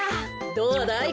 どうだい？